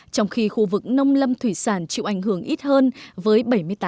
trong khi khu vực nông lâm thủy sản chịu ảnh hưởng ít hơn với bảy mươi tám